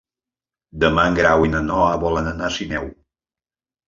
Demà en Grau i na Noa volen anar a Sineu.